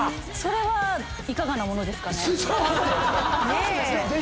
それはいかがなものですかね。